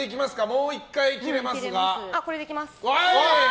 もう１回、切れますが。